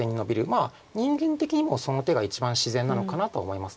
まあ人間的にもその手が一番自然なのかなと思います。